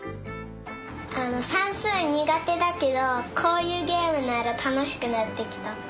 さんすうにがてだけどこういうげえむならたのしくなってきた！